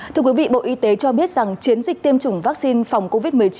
thưa quý vị bộ y tế cho biết rằng chiến dịch tiêm chủng vaccine phòng covid một mươi chín